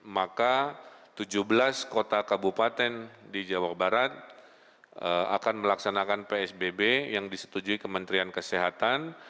maka tujuh belas kota kabupaten di jawa barat akan melaksanakan psbb yang disetujui kementerian kesehatan